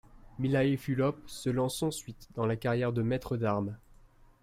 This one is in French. Mihály Fülöp se lance ensuite dans la carrière de maître d'armes.